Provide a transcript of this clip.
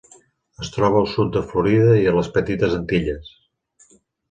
Es troba al sud de Florida i a les Petites Antilles.